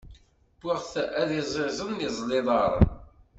Wwiɣ-t ad iẓẓiẓen, iẓẓel iḍaṛṛen.